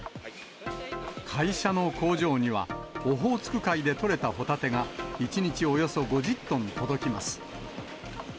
会社の工場には、オホーツク海で取れたホタテが、１日およそ５０トン届きます。